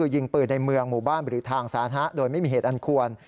ยิงปืนในเมืองหมู่บ้านหรือทางสาธารณะโดยไม่มีเหตุอันควร